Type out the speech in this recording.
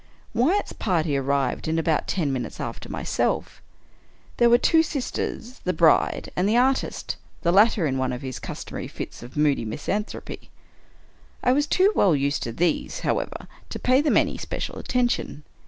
Wyatt's party arrived in about ten minutes after myself. There were the two sisters, the bride, and the artist — the latter in one of his customary fits of moody misanthropy. I was too well used to these, however, to pay them any special attention.